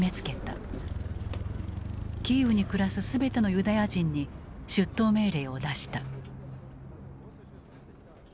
キーウに暮らす全てのユダヤ人に出頭命令を出した。